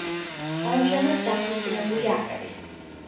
ამჟამად დაქორწინებული არ არის.